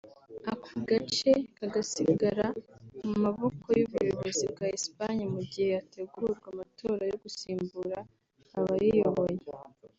ako gace kagasigara mu maboko y’ubuyobozi bwa Espagne mu gihe hategurwa amatora yo gusimbura abayiyoboye